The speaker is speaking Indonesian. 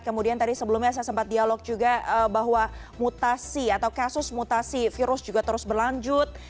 kemudian tadi sebelumnya saya sempat dialog juga bahwa mutasi atau kasus mutasi virus juga terus berlanjut